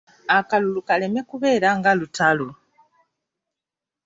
Akalulu kaleme kubeera nga lutalo.